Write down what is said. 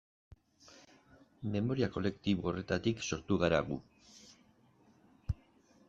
Memoria kolektibo horretatik sortu gara gu.